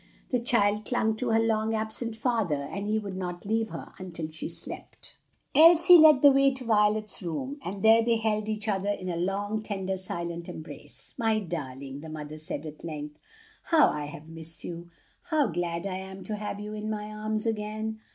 The child clung to her long absent father, and he would not leave her until she slept. Elsie led the way to Violet's room, and there they held each other in a long, tender, silent embrace. "My darling!" the mother said at length, "how I have missed you! how glad I am to have you in my arms again!"